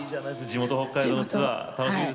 地元北海道のツアー楽しみですね。